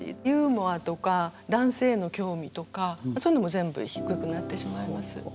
ユーモアとか男性への興味とかそういうのも全部低くなってしまいます。